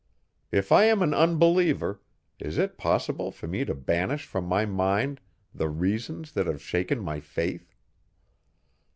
If I am an unbeliever, is it possible for me to banish from my mind the reasons that have shaken my faith?